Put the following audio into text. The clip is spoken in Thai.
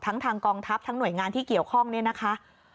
ทางกองทัพทั้งหน่วยงานที่เกี่ยวข้องเนี่ยนะคะ